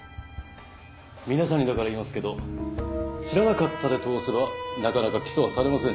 皆さんにだから言いますけど知らなかったで通せばなかなか起訴はされませんしね。